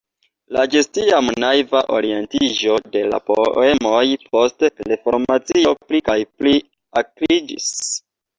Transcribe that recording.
La ĝis tiam naiva orientiĝo de la poemoj post Reformacio pli kaj pli akriĝis.